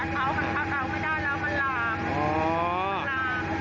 แล้วจากนั้นไฟก็ลุกเลยเหรอพี่